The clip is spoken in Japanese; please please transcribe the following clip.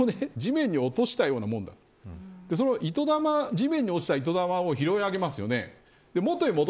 糸玉を地面に落としたようなもので地面に落ちた糸玉を拾い上げますよね。